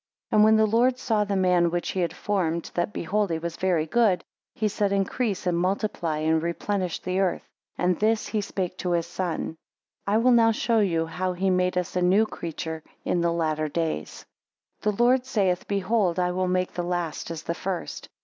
13 And when the Lord saw the man which he had formed, that behold he was very good; he said, Increase and multiply, and replenish the earth. And this he spake to his son. 14 I will now show you, how he made us a new creature, in the latter days. 15 The Lord saith; Behold I will make the last as the first.